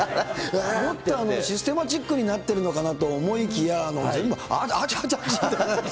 もっとシステマチックになってるのかなと思いきや、全部、あちゃあちゃあちゃって。